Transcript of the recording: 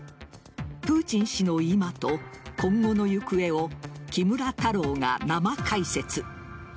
プーチン氏の今と今後の行方を木村太郎が生解説。